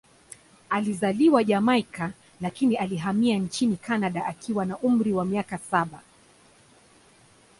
Alizaliwa Jamaika, lakini alihamia nchini Kanada akiwa na umri wa miaka saba.